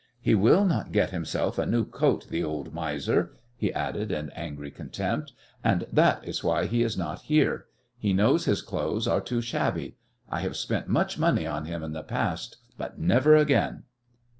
"He will not get himself a new coat, the old miser!" he added in angry contempt. "And that is why he is not here. He knows his clothes are too shabby. I have spent much money on him in the past, but never again."